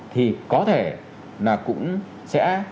thì có thể là cũng sẽ